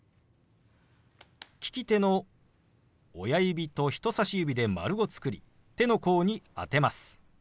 利き手の親指と人さし指で丸を作り手の甲に当てます。